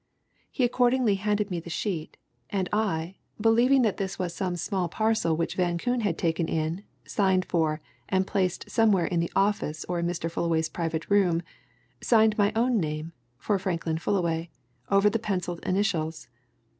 He accordingly handed me the sheet, and I, believing that this was some small parcel which Van Koon had taken in, signed for, and placed somewhere in the office or in Mr. Fullaway's private room, signed my own name, for Franklin Fullaway, over the penciled initials.